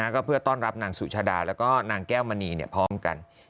ก็เพื่อต้อนรับนางสุชาดาแล้วก็นางแก้วมณีพร้อมกัน